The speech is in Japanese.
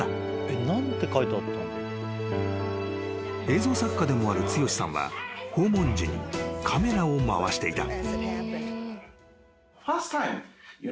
［映像作家でもある剛志さんは訪問時にカメラを回していた］